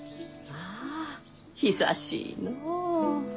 ああ久しいのう。